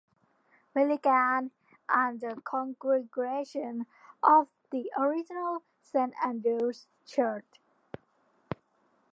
Milligan" and the congregation of the original "Saint Andrew's Church".